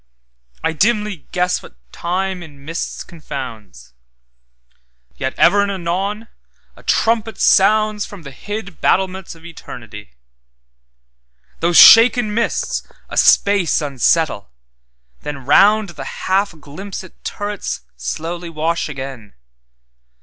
I dimly guess what Time in mists confounds; Yet ever and anon a trumpet soundsFrom the hid battlements of Eternity; Those shaken mists a space unsettle, thenRound the half glimpsèd turrets slowly wash again.